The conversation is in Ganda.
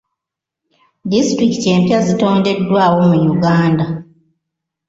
Disitulikiti empya zitondeddwawo mu Uganda.